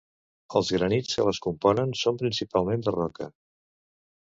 Els granits que les componen són principalment de roca.